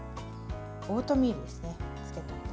オートミールですね。